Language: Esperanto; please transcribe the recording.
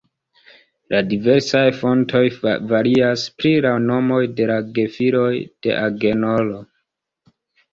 La diversaj fontoj varias pri la nomoj de la gefiloj de Agenoro.